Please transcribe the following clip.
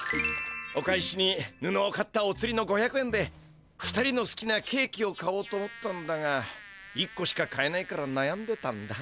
お返しにぬのを買ったおつりの５００円で２人のすきなケーキを買おうと思ったんだが１こしか買えないからなやんでたんだ。